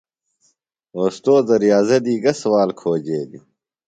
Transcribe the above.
اوستوذہ ریاضہ دی گہ سوال کھوجیلیۡ؟